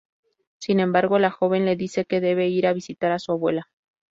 Sin embargo, la joven le dice que debe ir a visitar a su abuela.